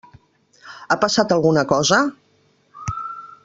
Ha passat alguna cosa?